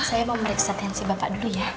saya mau memeriksa tensi bapak dulu ya